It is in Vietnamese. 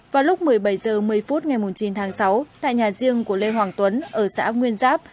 vào lúc một mươi bảy h một mươi phút ngày chín tháng sáu tại nhà riêng của lê hoàng tuấn ở xã nguyên giáp